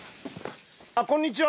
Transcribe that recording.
あっこんにちは！